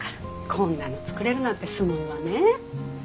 こんなの作れるなんてすごいわねえ。